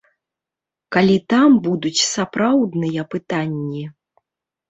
Калі там будуць сапраўдныя пытанні.